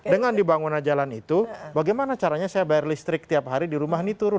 dengan dibangunnya jalan itu bagaimana caranya saya bayar listrik tiap hari di rumah ini turun